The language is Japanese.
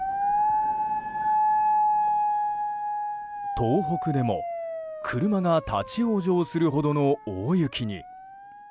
東北でも車が立ち往生するほどの大雪に。